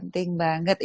itu yang paling penting